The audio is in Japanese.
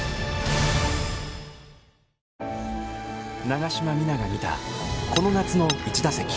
長島三奈が見たこの夏の１打席。